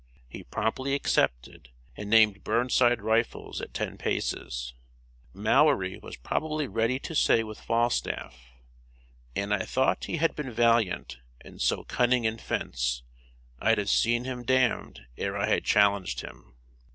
He promptly accepted, and named Burnside rifles at ten paces! Mowry was probably ready to say with Falstaff "An' I thought he had been valiant and so cunning in fence, I'd have seen him damned ere I had challenged him."